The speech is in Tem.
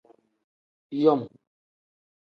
Yom.